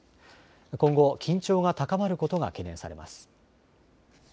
今後、緊張が高まることが懸念されます。